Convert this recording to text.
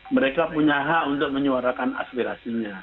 mereka punya hak untuk menyuarakan aspirasinya